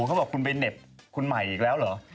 เขาบอกคุณไปเหน็บคุณใหม่อีกแล้วเหรอ